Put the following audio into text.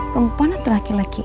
perempuan atau laki laki